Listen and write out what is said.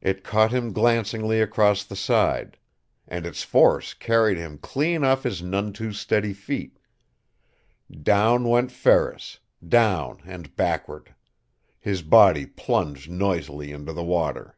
It caught him glancingly across the side. And its force carried him clean off his none too steady feet. Down went Ferris down and backward. His body plunged noisily into the water.